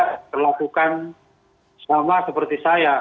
terlakukan sama seperti saya